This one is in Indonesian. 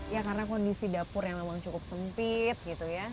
ya karena kondisi dapur yang memang cukup sempit gitu ya